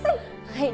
はい。